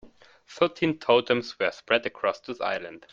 Thirteen totems were spread across this island.